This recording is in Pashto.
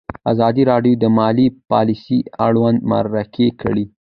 ازادي راډیو د مالي پالیسي اړوند مرکې کړي.